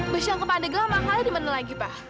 bus yang kepadang lama kali dimana lagi pak